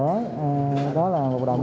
đó là một đồng ý nghĩa trong cuộc sống tổng đồng